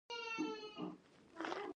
پښتو ژبه او ادبیات